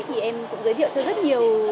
thì em cũng giới thiệu cho rất nhiều